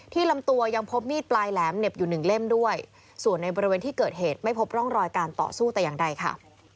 ลำตัวยังพบมีดปลายแหลมเหน็บอยู่หนึ่งเล่มด้วยส่วนในบริเวณที่เกิดเหตุไม่พบร่องรอยการต่อสู้แต่อย่างใดค่ะ